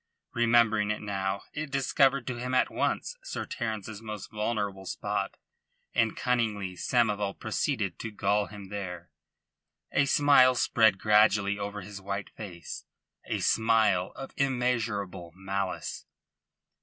Remembering it now, it discovered to him at once Sir Terence's most vulnerable spot, and cunningly Samoval proceeded to gall him there. A smile spread gradually over his white face a smile of immeasurable malice.